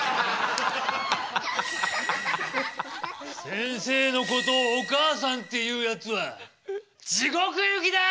先生のことを「お母さん」って言うやつはじごく行きだ！